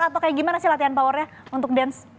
atau kayak gimana sih latihan powernya untuk dance